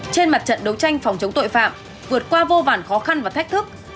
trên mặt trận đấu tranh phòng chống tội phạm vượt qua vô vản khó khăn và thách thức